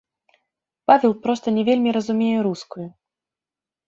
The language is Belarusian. Павел проста не вельмі разумее рускую.